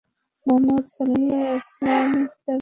মুহাম্মাদ সাল্লাল্লাহু আলাইহি ওয়াসাল্লাম তাঁর রাসূল।